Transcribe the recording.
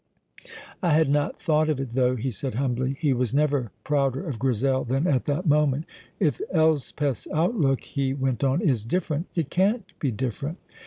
"I had not thought of it, though," he said humbly. He was never prouder of Grizel than at that moment. "If Elspeth's outlook," he went on, "is different " "It can't be different."